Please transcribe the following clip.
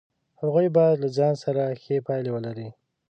هغوی باید له ځان سره ښې پایلې ولري.